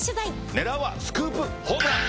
狙うはスクープホームラン！